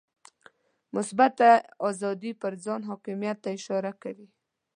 مثبته آزادي پر ځان حاکمیت ته اشاره کوي.